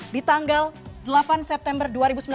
di tanggal delapan september dua ribu sembilan belas